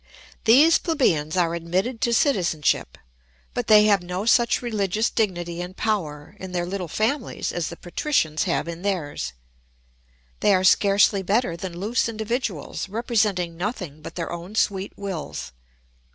These plebeians are admitted to citizenship. But they have no such religious dignity and power in their little families as the patricians have in theirs; they are scarcely better than loose individuals, representing nothing but their own sweet wills.